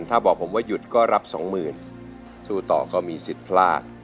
ถ้าบอกผมว่าหยุดก็รับสองหมื่นสู้ต่อก็มีสิทธิ์พลาด